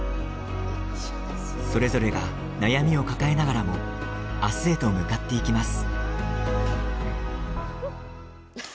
それぞれが悩みを抱えながらも明日へと向かっていきます。